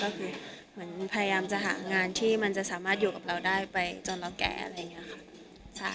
ก็คือเหมือนพยายามจะหางานที่มันจะสามารถอยู่กับเราได้ไปจนเราแก่อะไรอย่างนี้ค่ะ